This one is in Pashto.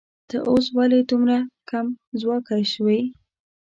ته اوس ولې دومره کمځواکی شوې